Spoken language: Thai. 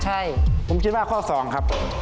ใช่ผมคิดว่าข้อ๒ครับ